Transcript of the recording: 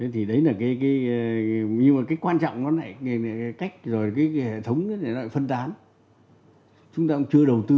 thế thì đấy là cái quan trọng đó này